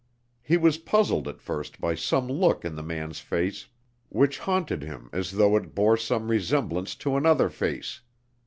He was puzzled at first by some look in the man's face which haunted him as though it bore some resemblance to another face.